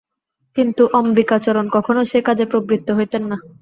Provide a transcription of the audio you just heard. কিন্তু অম্বিকাচরণ কখনো সে কাজে প্রবৃত্ত হইতেন না।